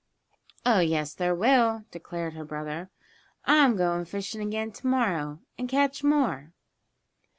"Oh, yes, there will," declared her brother. "I'm going fishing again tomorrow and, catch more."